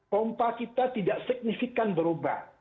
pompa kita tidak signifikan berubah